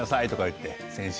先週。